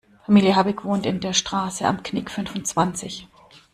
Familie Habeck wohnt in der Straße Am Knick fünfundzwanzig.